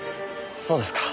そうですか。